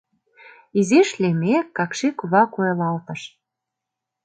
Изиш лиймек, какши кува койылалтыш.